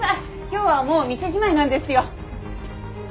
今日はもう店じまいなんですよ。